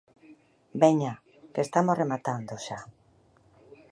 Veña, que estamos rematando xa.